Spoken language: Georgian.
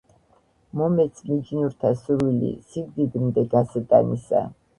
მომეც მიჯნურთა სურვილი, სიკვდიდმდე გასატანისა,